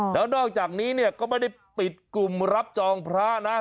แล้วนอกจากนี้เนี่ยก็ไม่ได้ปิดกลุ่มรับจองพระนะ